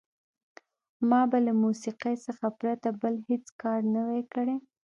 ما به له موسیقۍ څخه پرته بل هېڅ کار نه وای کړی.